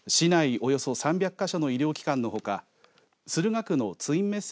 およそ３００か所の医療機関のほか駿河区のツインメッセ